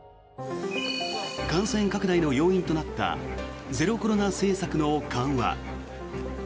感染拡大の要因となったゼロコロナ政策の緩和。